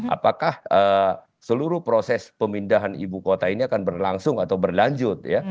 apakah seluruh proses pemindahan ibu kota ini akan berlangsung atau berlanjut